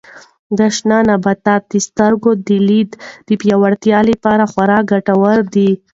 دا شنه نباتات د سترګو د لید د پیاوړتیا لپاره خورا ډېر ګټور دي.